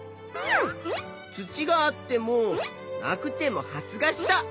土があってもなくても発芽した。